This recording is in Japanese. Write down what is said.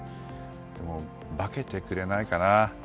化けてくれないかな。